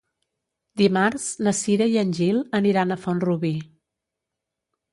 Dimarts na Cira i en Gil aniran a Font-rubí.